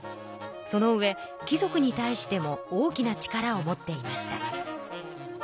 そのうえ貴族に対しても大きな力を持っていました。